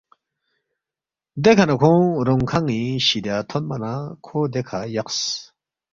دیکھہ نہ کھونگ رونگ کھن٘ی شِدیا تھونما نہ کھو دیکھہ یقس